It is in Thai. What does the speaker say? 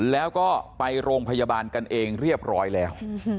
แล้วก็ไปโรงพยาบาลกันเองเรียบร้อยแล้ว